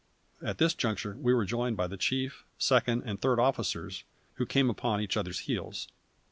At this juncture we were joined by the chief, second, and third officers, who came upon each other's heels.